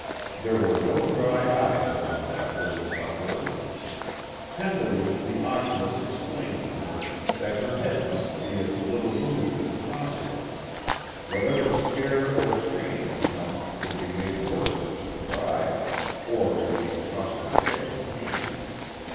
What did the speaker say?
There were no dry eyes around that little sufferer. Tenderly the oculist explained to her that her head must be as little moved as possible ; whatever tear or strain had come would be made worse if she cried, or if she tossed her head in pain.